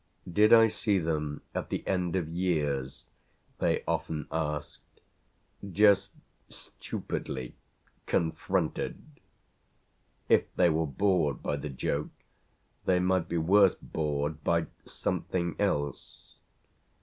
Did I see them at the end of years, they often asked, just stupidly confronted? If they were bored by the joke they might be worse bored by something else.